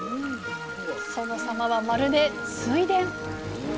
その様はまるで水田。